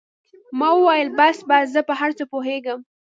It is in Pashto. ما وويل بس بس زه په هر څه پوهېږم.